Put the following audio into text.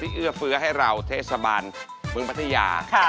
เอื้อเฟื้อให้เราเทศบาลเมืองพัทยา